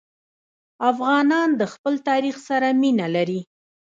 افغانان د خپل تاریخ سره مینه لري.